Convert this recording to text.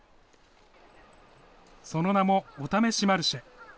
その名もおためしマルシェ。